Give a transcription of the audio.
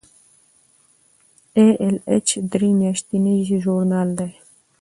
ای ایل ایچ درې میاشتنی ژورنال دی.